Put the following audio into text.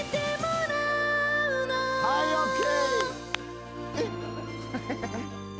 はいＯＫ。